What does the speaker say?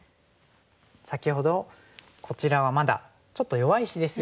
先ほどこちらはまだちょっと弱い石ですよと話しましたね。